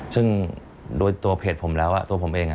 ซึ่งโดยตัวเพจผมแล้วตัวผมเอง